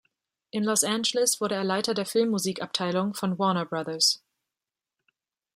In Los Angeles wurde er Leiter der Filmmusik-Abteilung von Warner Brothers.